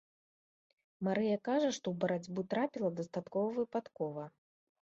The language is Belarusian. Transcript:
Марыя кажа, што ў барацьбу трапіла дастаткова выпадкова.